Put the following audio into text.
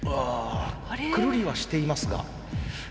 くるりはしていますが。